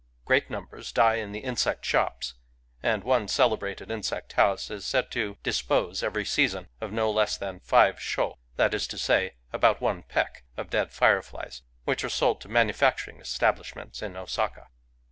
Great numbers die in the insect shops; and one celebrated insect house is said to dispose every season of no less than five sho — that is to say, about one peck — of dead fire flies, which are sold to manufacturing establish ments in Osaka.